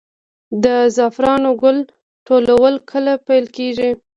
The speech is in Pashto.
د زعفرانو ګل ټولول کله پیل کیږي؟